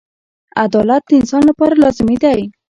• عدالت د انسان لپاره لازمي دی.